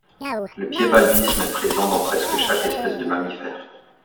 Le piébaldisme est présent dans presque chaque espèce de mammifère.